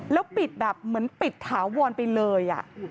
แล้วปิดแบบเหมือนปิดถาวรไปเลย